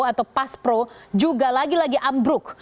atau paspro juga lagi lagi ambruk